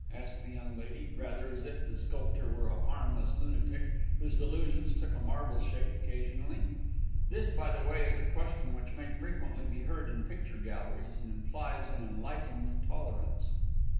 asked the young lady, rather as if the sculptor were a harmless lunatic whose delusions took a marble shape occasionally. This, by the way, is a question which may frequently be heard in picture galleries, and implies an enlightened tolerance.